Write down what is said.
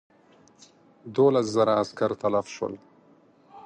دوولس زره عسکر تلف شول.